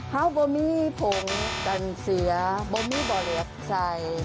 เฮ้าบอมมี่ผงกันเสียบอมมี่บ่อเลียบใส่